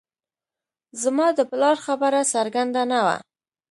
زما د پلار خبره څرګنده نه وه